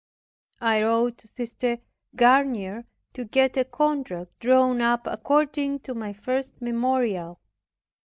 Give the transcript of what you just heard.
I wrote to Sister Garnier to get a contract drawn up according to my first memorial.